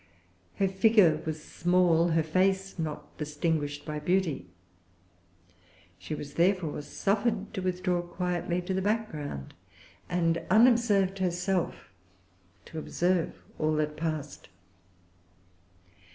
Her figure was small, her face not distinguished by beauty. She was therefore suffered to withdraw quietly to the background, and, unobserved herself, to observe all that passed.